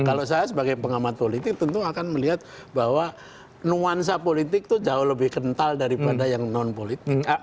kalau saya sebagai pengamat politik tentu akan melihat bahwa nuansa politik itu jauh lebih kental daripada yang non politik